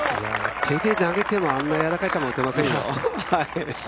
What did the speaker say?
手で投げても、あんなやわらかい球打てませんよ。